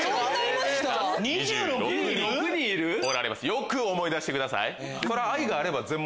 よく思い出してください。